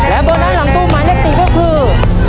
และโบนัสหลังตู้หมายแรก๔ก็คือ